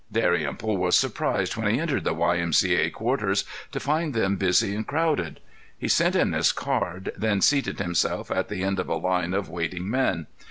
Dalrymple was surprised when he entered the Y. M. C. A. quarters to find them busy and crowded. He sent in his card, then seated himself at the end of a line of waiting men.